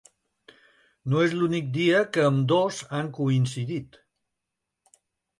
No és l’únic dia que ambdós han coincidit.